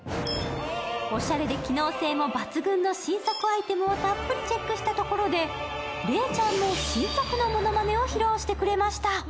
おしゃれで機能性も抜群のアイテムをたっぷりチェックしたところで、礼ちゃんの新作のものまねを披露してくれました。